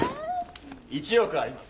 １億あります。